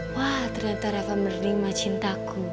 wah ternyata rafa menerima cintaku